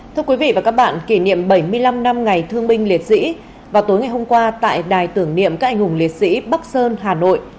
thưa quý vị và các bạn kỷ niệm bảy mươi năm năm ngày thương binh liệt sĩ vào tối ngày hôm qua tại đài tưởng niệm các anh hùng liệt sĩ bắc sơn hà nội